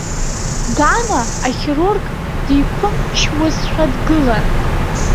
Гана ахирург диқәымчуазшәа дгылан.